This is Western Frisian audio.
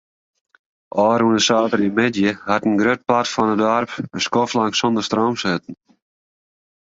Ofrûne saterdeitemiddei hat in grut part fan it doarp in skoftlang sonder stroom sitten.